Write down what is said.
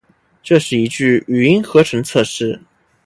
这是一句语音合成测试